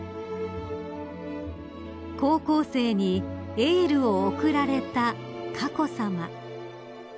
［高校生にエールを送られた佳子さま］